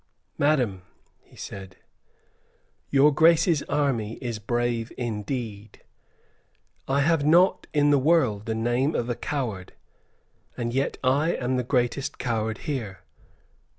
"Madam," he said, "Your Grace's army is brave indeed. I have not in the world the name of a coward, and yet I am the greatest coward here.